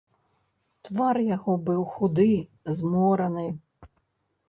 Твар яго быў худы, змораны.